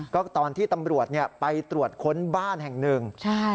ก็ตอนที่ตำรวจไปตรวจค้นบ้านแห่งหนึ่ง